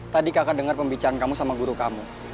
tadi kakak dengar pembicaraan kamu sama guru kamu